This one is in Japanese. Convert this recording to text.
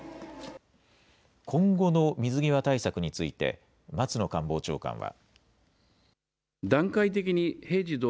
今後の水際対策について、松野官房長官は。